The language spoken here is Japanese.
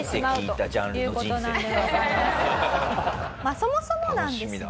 そもそもなんですが。